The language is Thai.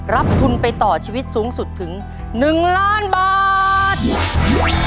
รับทุนไปต่อชีวิตสูงสุดถึง๑ล้านบาท